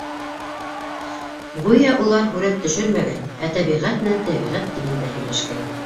Гүйә, улар һүрәт төшөрмәгән, ә тәбиғәт менән тәбиғәт телендә һөйләшкән.